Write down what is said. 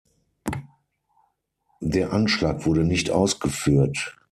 Der Anschlag wurde nicht ausgeführt.